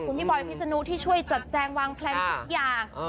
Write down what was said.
คุณพี่บอยพิษนุที่ช่วยจัดแจงวางแพลนทุกอย่าง